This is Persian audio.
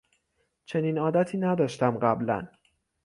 چنین عادتی نداشتم قبلا